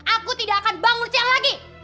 aku tidak akan bangun siang lagi